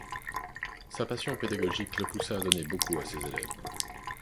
Sa passion pédagogique le poussa à donner beaucoup à ses élèves.